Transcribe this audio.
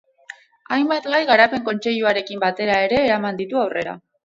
Hainbat gai Garapen Kontseiluarekin batera ere eramaten ditu aurrera.